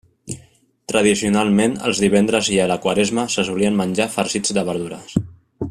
Tradicionalment els divendres i a la quaresma se solien menjar farcits de verdures.